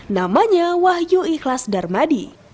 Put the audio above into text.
namanya wahyu ikhlas darmadi